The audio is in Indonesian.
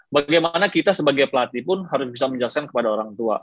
bagaimana kita sebagai pelatih pun harus bisa menjelaskan kepada orang tua